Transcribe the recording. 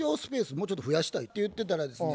もうちょっと増やしたいって言ってたらですね